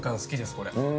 これ。